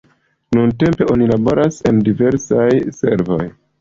Nuntempe oni laboras en diversaj servoj.